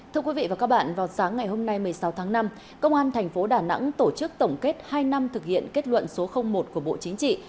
thưa quý vị và các bạn vào sáng ngày hôm nay một mươi sáu tháng năm công an thành phố đà nẵng tổ chức tổng kết hai năm thực hiện kết luận số một của bộ chính trị